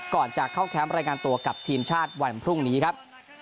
ก่อนจะเข้าแคมป์รายงานตัวกับทีมชาติวันพรุ่งนี้ครับ